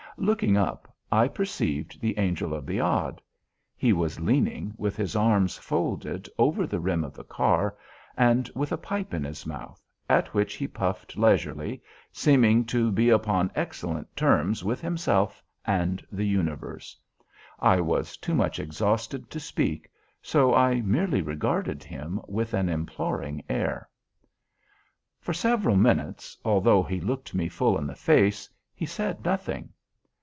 Looking up, I perceived the Angel of the Odd. He was leaning, with his arms folded, over the rim of the car; and with a pipe in his mouth, at which he puffed leisurely, seemed to be upon excellent terms with himself and the universe. I was too much exhausted to speak, so I merely regarded him with an imploring air. For several minutes, although he looked me full in the face, he said nothing.